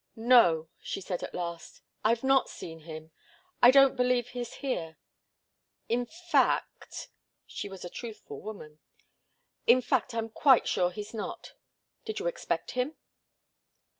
"No," she said, at last. "I've not seen him. I don't believe he's here. In fact " she was a truthful woman "in fact, I'm quite sure he's not. Did you expect him?"